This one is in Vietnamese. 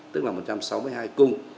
tức là một trăm sáu mươi hai cung